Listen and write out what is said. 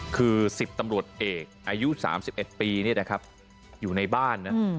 คือ๑๐ตำรวจเอกอายุ๓๑ปีอยู่ในบ้านนะ